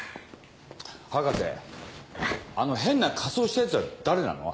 博士あの変な仮装したヤツは誰なの？